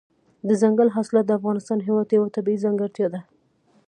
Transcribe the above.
دځنګل حاصلات د افغانستان هېواد یوه طبیعي ځانګړتیا ده.